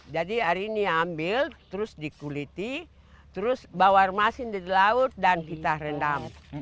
jadi hari ini ambil terus dikuliti terus bawa remasin dari laut dan kita rendam